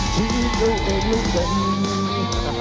ที่เคยเป็นแล้วเป็น